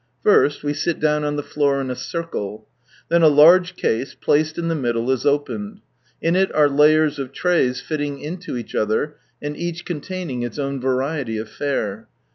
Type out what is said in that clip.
First, we sit down on the floor in a circle. Then a large case, placed in the middle, is opened. In it are layers of trays fitting into each other, and each con taining its own variety of fare.